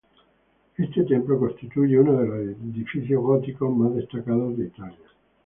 Este templo constituye uno de los edificios góticos más destacados de Italia.